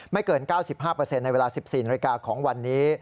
เกิน๙๕ในเวลา๑๔นาฬิกาของวันนี้